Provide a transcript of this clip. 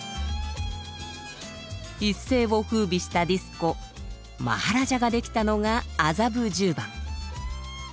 一世を風靡したディスコ「マハラジャ」ができたのが麻布十番。